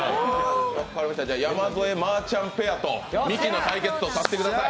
山添・まーちゃんペアと未知の対決とさせてください。